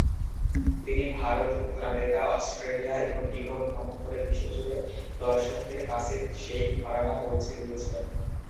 তিনি ভারত, উত্তর America, Australia এবং ইউরোপ ভ্রমণ করে বিশ্বজুড়ে দর্শকদের কাছে সেই ঘরানা পৌঁছে দিয়েছেন।